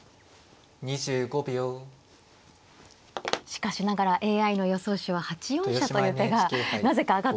しかしながらＡＩの予想手は８四飛車という手がなぜか挙がっているという。